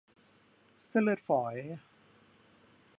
เส้นเลือดฝอย